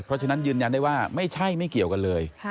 เพราะฉะนั้นยืนยันได้ว่าไม่ใช่ไม่เกี่ยวกันเลย